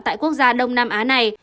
tại quốc gia đông nam á này